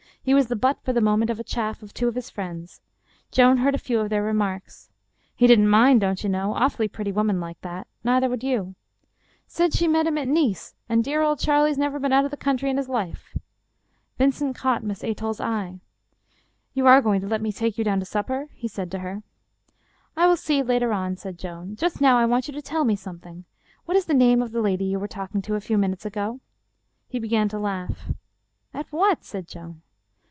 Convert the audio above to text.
He was the butt for the moment of the chaff of two of his friends. Joan heard a few of their remarks. " He didn't mind, don't you know — awfully pretty wom an like that. Neither would you." " Said she met him at Nice, and dear old Charlie's never been out of the country in his life." Vincent caught Miss Athol's eye. " You are going to let me take you down to supper ?" he said to her. " I will see later on," said Joan. " Just now I want you to tell me something. What is the name of the lady you were talking to a few minutes ago ?" He began to laugh. "At what?" said Joan.